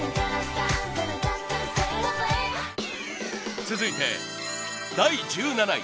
続いて第１７位。